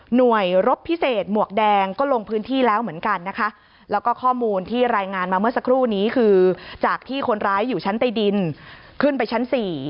โดยรบพิเศษหมวกแดงก็ลงพื้นที่แล้วเหมือนกันนะคะแล้วก็ข้อมูลที่รายงานมาเมื่อสักครู่นี้คือจากที่คนร้ายอยู่ชั้นใต้ดินขึ้นไปชั้น๔